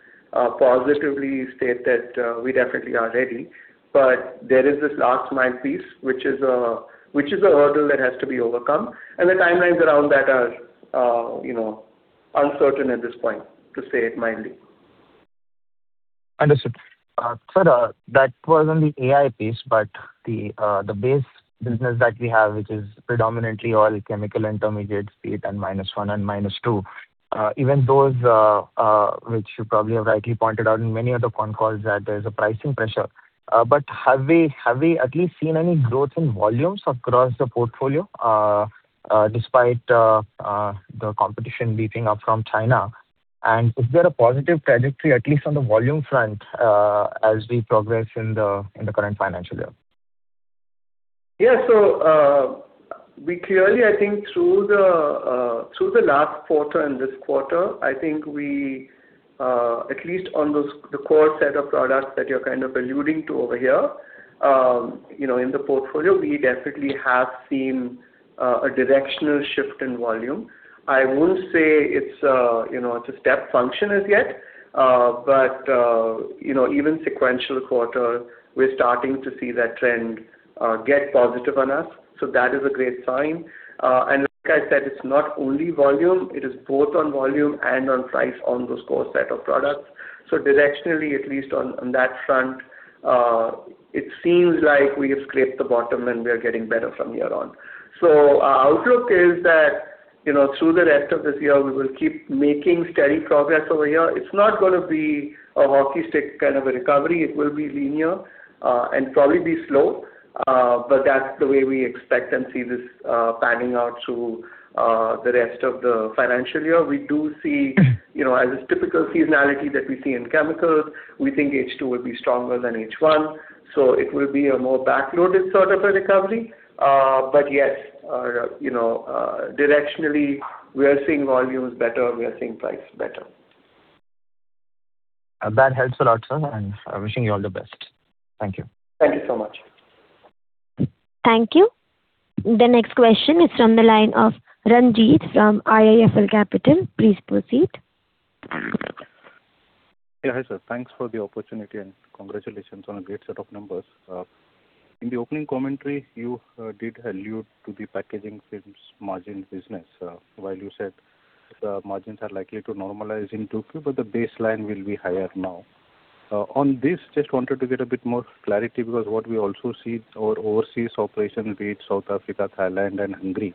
positively state that we definitely are ready. There is this last-mile piece, which is a hurdle that has to be overcome, and the timelines around that are uncertain at this point, to say it mildly. Understood. Sir, that was on the AI piece, the base business that we have, which is predominantly oil chemical intermediates, be it N-1 and N-2, even those which you probably have rightly pointed out in many of the con calls that there's a pricing pressure. Have we at least seen any growth in volumes across the portfolio, despite the competition beefing up from China? Is there a positive trajectory, at least on the volume front, as we progress in the current financial year? Yeah. We clearly, I think through the last quarter and this quarter, I think we at least on the core set of products that you're alluding to over here, in the portfolio, we definitely have seen a directional shift in volume. I wouldn't say it's a step function as yet. Even sequential quarter, we're starting to see that trend get positive on us. That is a great sign. Like I said, it's not only volume, it is both on volume and on price on those core set of products. Directionally, at least on that front, it seems like we have scraped the bottom and we are getting better from here on. Our outlook is that, through the rest of this year, we will keep making steady progress over here. It's not going to be a hockey stick kind of a recovery. It will be linear, and probably be slow. That's the way we expect and see this panning out through the rest of the financial year. We do see, as is typical seasonality that we see in chemicals, we think H2 will be stronger than H1, so it will be a more back-loaded sort of a recovery. Yes, directionally, we are seeing volumes better, we are seeing price better. That helps a lot, sir. Wishing you all the best. Thank you. Thank you so much. Thank you. The next question is from the line of Ranjit from IIFL Capital. Please proceed. Yeah. Hi, sir. Thanks for the opportunity. Congratulations on a great set of numbers. In the opening commentary, you did allude to the packaging films margin business, while you said margins are likely to normalize in 2Q. The baseline will be higher now. On this, just wanted to get a bit more clarity. What we also see our overseas operation, be it South Africa, Thailand, and Hungary,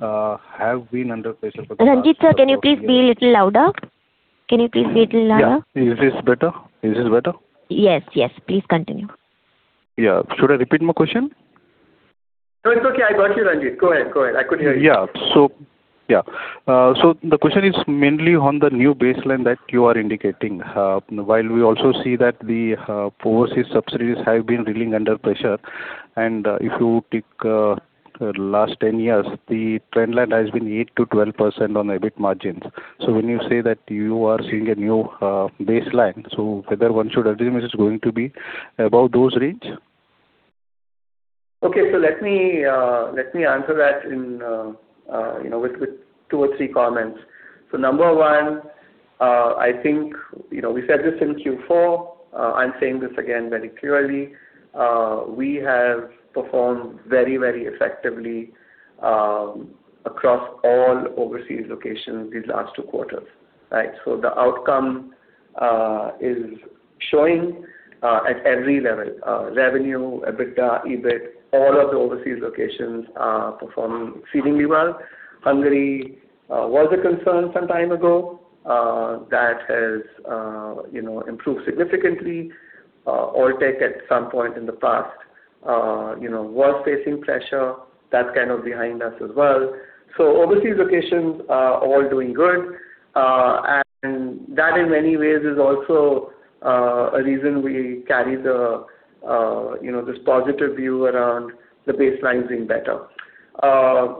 have been under pressure. Ranjit sir, can you please be a little louder? Yeah. Is this better? Yes. Please continue. Yeah. Should I repeat my question? No, it's okay. I got you, Ranjit. Go ahead. I could hear you. Yeah. The question is mainly on the new baseline that you are indicating. While we also see that the overseas subsidiaries have been reeling under pressure, and if you take last 10 years, the trend line has been 8%-12% on EBIT margins. When you say that you are seeing a new baseline, whether one should assume is going to be above those range? Okay. Let me answer that with two or three comments. Number one, I think we said this in Q4, I'm saying this again very clearly. We have performed very effectively across all overseas locations these last two quarters. Right? The outcome is showing at every level, revenue, EBITDA, EBIT, all of the overseas locations are performing exceedingly well. Hungary was a concern some time ago. That has improved significantly. Ortec at some point in the past was facing pressure. That's kind of behind us as well. Overseas locations are all doing good. That in many ways is also a reason we carry this positive view around the baseline being better.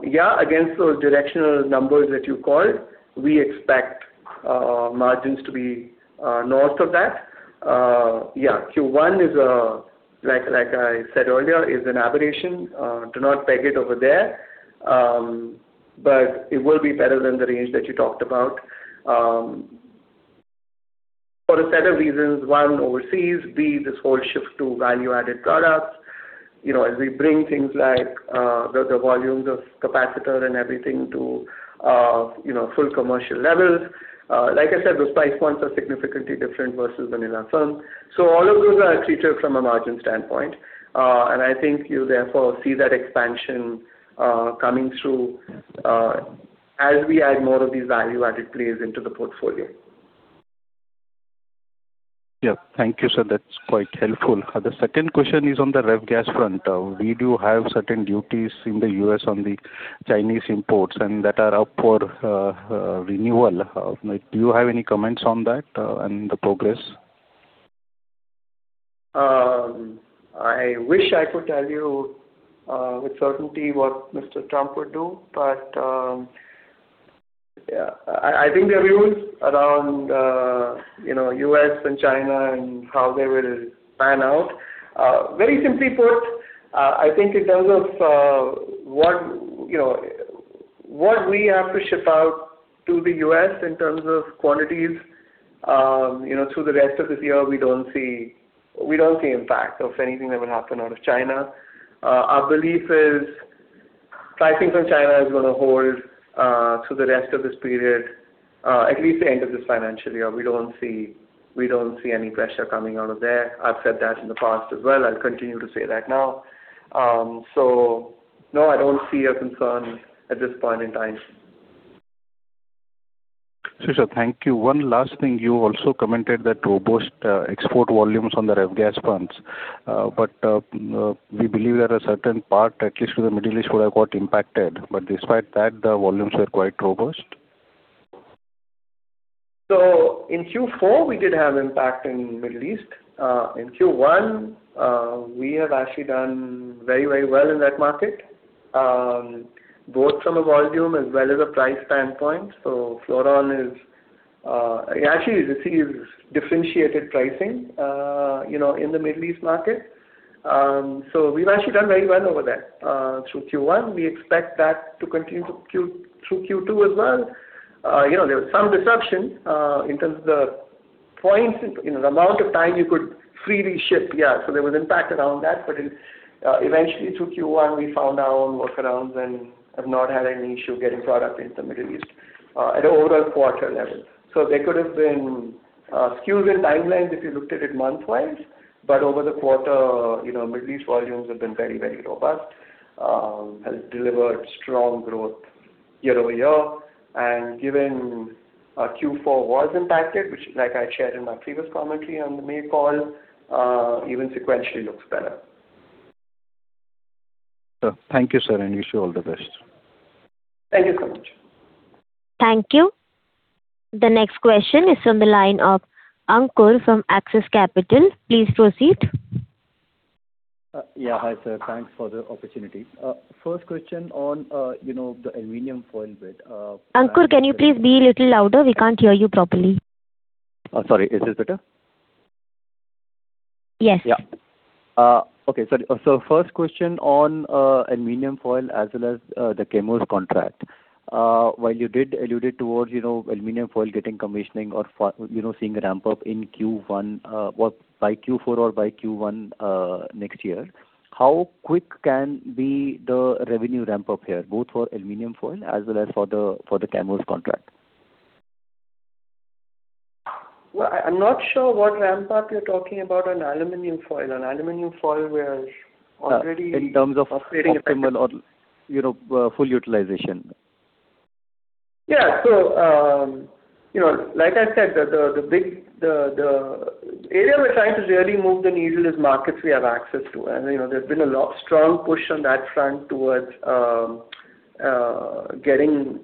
Yeah, against those directional numbers that you called, we expect margins to be north of that. Yeah, Q1 is, like I said earlier, is an aberration. Do not peg it over there. It will be better than the range that you talked about. For a set of reasons, one, overseas, B, this whole shift to value-added products. As we bring things like the volumes of capacitor and everything to full commercial levels. Like I said, those price points are significantly different versus vanilla film. All of those are accretive from a margin standpoint. I think you therefore see that expansion coming through as we add more of these value-added plays into the portfolio. Yeah. Thank you, sir. That's quite helpful. The second question is on the rev gas front. We do have certain duties in the U.S. on the Chinese imports, that are up for renewal. Do you have any comments on that and the progress? I wish I could tell you with certainty what Mr. Trump would do. I think the views around U.S. and China and how they will pan out. Very simply put, I think in terms of what we have to ship out to the U.S. in terms of quantities, through the rest of this year, we don't see impact of anything that will happen out of China. Our belief is pricing from China is going to hold through the rest of this period. At least the end of this financial year, we don't see any pressure coming out of there. I've said that in the past as well. I'll continue to say that now. No, I don't see a concern at this point in time. Sure, sir. Thank you. One last thing. You also commented that robust export volumes on the rev gas fronts. We believe there are certain parts, at least to the Middle East, would have got impacted. Despite that, the volumes were quite robust. In Q4, we did have impact in Middle East. In Q1, we have actually done very well in that market, both from a volume as well as a price standpoint. FLORON actually receives differentiated pricing in the Middle East market. We've actually done very well over there through Q1. We expect that to continue through Q2 as well. There was some disruption in terms of the points, the amount of time you could freely ship. Yeah. There was impact around that. Eventually through Q1, we found our own workarounds and have not had any issue getting product into Middle East at an overall quarter level. There could have been skews in timelines if you looked at it month-wise. Over the quarter, Middle East volumes have been very robust. Has delivered strong growth year-over-year and given Q4 was impacted, which like I shared in my previous commentary on the May call, even sequentially looks better. Thank you, sir, and wish you all the best. Thank you so much. Thank you. The next question is from the line of Ankur from Axis Capital. Please proceed. Yeah. Hi, sir. Thanks for the opportunity. First question on the aluminum foil bit- Ankur, can you please be a little louder? We can't hear you properly. Sorry. Is this better? Yes. Yeah. Okay. Sorry. First question on aluminum foil as well as the Chemours contract. While you did allude towards aluminum foil getting commissioning or seeing a ramp up in Q1, well, by Q4 or by Q1 next year, how quick can be the revenue ramp up here, both for aluminum foil as well as for the Chemours contract? Well, I'm not sure what ramp-up you're talking about on aluminum foil. On aluminum foil we are already- In terms of optimal or full utilization. Like I said, the area we're trying to really move the needle is markets we have access to. There's been a lot strong push on that front towards getting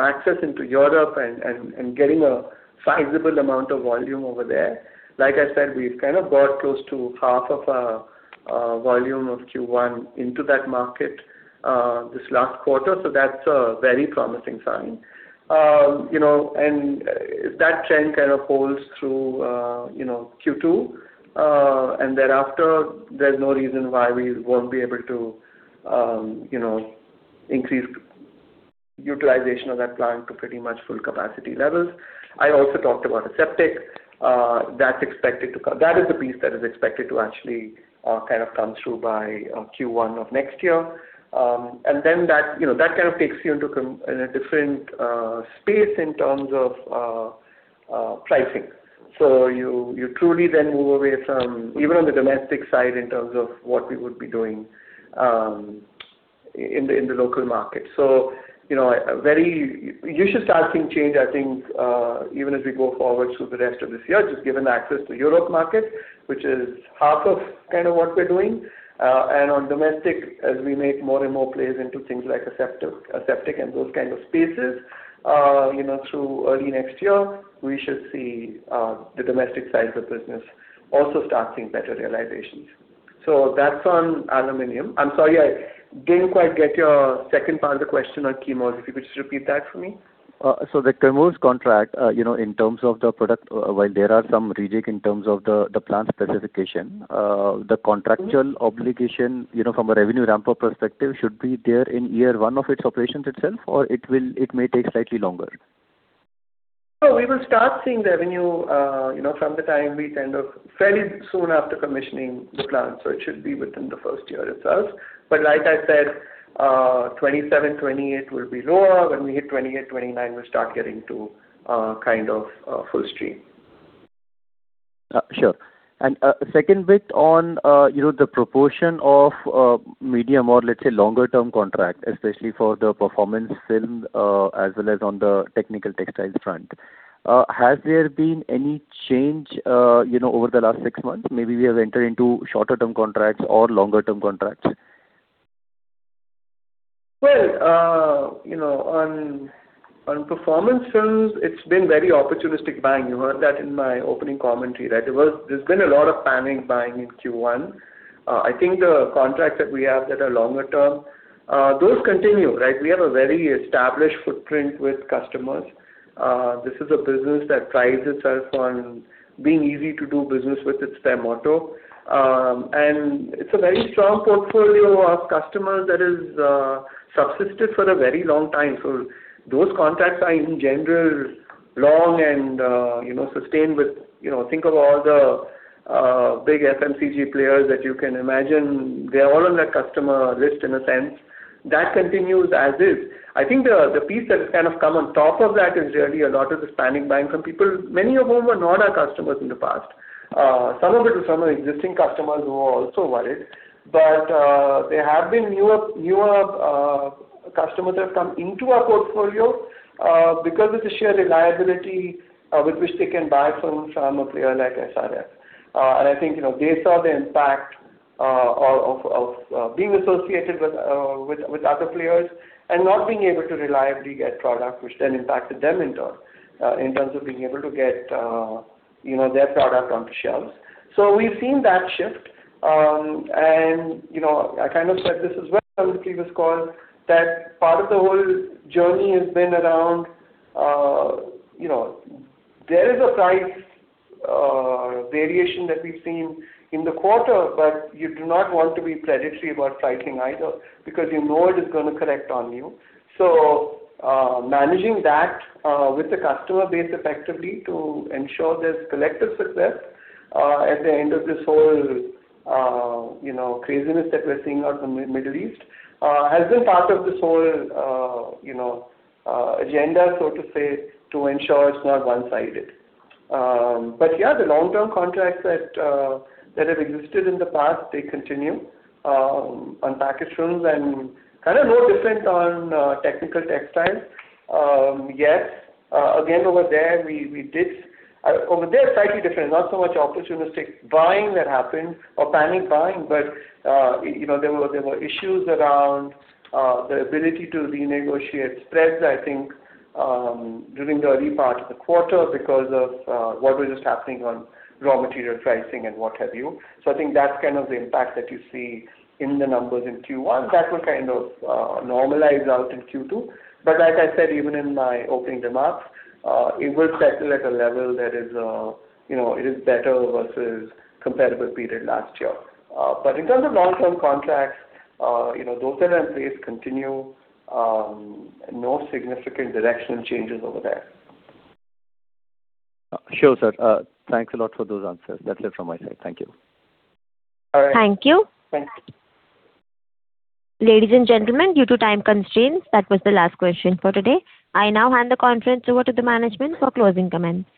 access into Europe and getting a sizable amount of volume over there. Like I said, we've kind of got close to half of our volume of Q1 into that market this last quarter. That's a very promising sign. If that trend kind of holds through Q2 and thereafter, there's no reason why we won't be able to increase utilization of that plant to pretty much full capacity levels. I also talked about aseptic. That is the piece that is expected to actually kind of come through by Q1 of next year. That kind of takes you into a different space in terms of pricing. You truly then move away from even on the domestic side in terms of what we would be doing in the local market. You should start seeing change, I think even as we go forward through the rest of this year, just given the access to Europe market, which is half of kind of what we're doing. On domestic, as we make more and more plays into things like aseptic and those kind of spaces through early next year, we should see the domestic side of the business also start seeing better realizations. That's on aluminum. I'm sorry, I didn't quite get your second part of the question on Chemours. If you could just repeat that for me. The Chemours contract, in terms of the product, while there are some reject in terms of the plant specification, the contractual obligation from a revenue ramp-up perspective should be there in year one of its operations itself, or it may take slightly longer? No, we will start seeing the revenue from the time we kind of fairly soon after commissioning the plant. It should be within the first year itself. Like I said, 2027-2028 will be lower. When we hit 2028-2029, we'll start getting to kind of full stream. Sure. Second bit on the proportion of medium or let's say longer term contract, especially for the performance film as well as on the Technical Textiles front. Has there been any change over the last six months? Maybe we have entered into shorter term contracts or longer term contracts. Well, on performance films, it's been very opportunistic buying. You heard that in my opening commentary that there's been a lot of panic buying in Q1. I think the contracts that we have that are longer term, those continue, right? We have a very established footprint with customers. This is a business that prides itself on being easy to do business with. It's their motto. It's a very strong portfolio of customers that has subsisted for a very long time. Those contracts are in general long and sustained with, think of all the big FMCG players that you can imagine. They're all on that customer list in a sense. That continues as is. I think the piece that has kind of come on top of that is really a lot of the panic buying from people, many of whom were not our customers in the past. Some of it is from our existing customers who are also worried. There have been newer customers that have come into our portfolio because of the sheer reliability with which they can buy from a player like SRF. I think they saw the impact of being associated with other players and not being able to reliably get product, which then impacted them in turn, in terms of being able to get their product onto shelves. We've seen that shift, and I kind of said this as well in the previous call, that part of the whole journey has been around, there is a price variation that we've seen in the quarter, but you do not want to be predatory about pricing either, because you know it is going to correct on you. Managing that with the customer base effectively to ensure there's collective success at the end of this whole craziness that we're seeing out in the Middle East, has been part of this whole agenda, so to say, to ensure it's not one-sided. Yeah, the long-term contracts that have existed in the past, they continue on packaged films and kind of no different on technical textiles yet. Again, over there, slightly different, not so much opportunistic buying that happened or panic buying, but there were issues around the ability to renegotiate spreads, I think, during the early part of the quarter because of what was just happening on raw material pricing and what have you. I think that's kind of the impact that you see in the numbers in Q1. That will kind of normalize out in Q2. Like I said, even in my opening remarks, it will settle at a level that is better versus comparable period last year. In terms of long-term contracts, those that are in place continue. No significant directional changes over there. Sure, sir. Thanks a lot for those answers. That's it from my side. Thank you. All right. Thank you. Thanks. Ladies and gentlemen, due to time constraints, that was the last question for today. I now hand the conference over to the management for closing comments.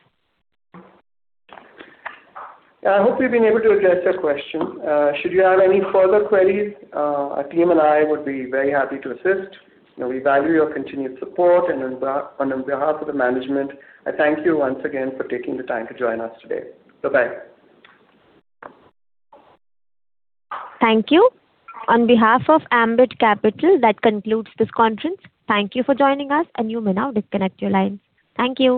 I hope we've been able to address your question. Should you have any further queries, our team and I would be very happy to assist. We value your continued support, and on behalf of the management, I thank you once again for taking the time to join us today. Bye-bye. Thank you. On behalf of Ambit Capital, that concludes this conference. Thank you for joining us. You may now disconnect your lines. Thank you.